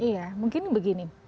iya mungkin begini